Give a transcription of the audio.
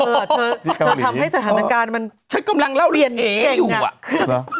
เธอทำให้สถานการณ์มันฉันกำลังเล่าเรียนเองอยู่อ่ะ